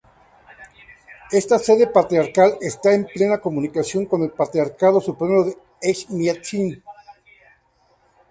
Esta sede patriarcal está en plena comunión con el Patriarcado supremo de Echmiadzin.